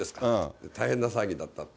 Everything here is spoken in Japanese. って、大変な騒ぎだったと。